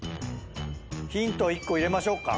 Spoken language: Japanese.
ヒント１個入れましょうか。